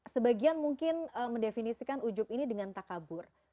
sebagian mungkin mendefinisikan ujub ini dengan takabur